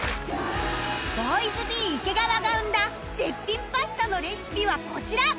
Ｂｏｙｓｂｅ 池川が生んだ絶品パスタのレシピはこちら